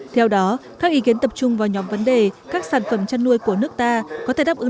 theo đó các ý kiến tập trung vào nhóm vấn đề các sản phẩm chăn nuôi của nước ta có thể đáp ứng